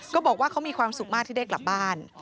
บอกว่าเขามีความสุขมากที่ได้กลับบ้าน